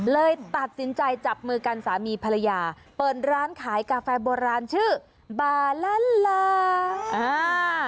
เลยตัดสินใจจับมือกันสามีภรรยาเปิดร้านขายกาแฟโบราณชื่อบาลาอ่า